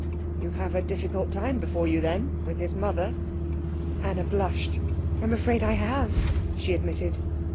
"You have a difficult time before you, then, with his mother." Anna blushed. "I am afraid I have," she admitted.